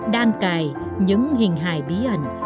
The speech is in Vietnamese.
đan cài những hình hài bí ẩn